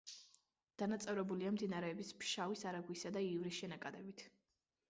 დანაწევრებულია მდინარეების ფშავის არაგვისა და ივრის შენაკადებით.